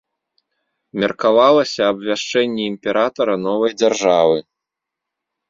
Меркавалася абвяшчэнне імператара новай дзяржавы.